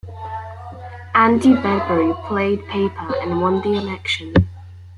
Andy Bedbury played Paper and won the election.